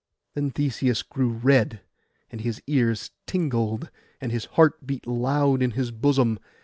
Then Theseus grew red, and his ears tingled, and his heart beat loud in his bosom.